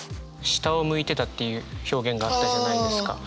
「下を向いてた」っていう表現があったじゃないですか。